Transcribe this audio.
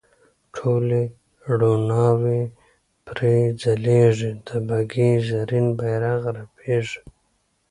ټولې روڼاوې پرې ځلیږي د بګۍ زرین بیرغ رپیږي.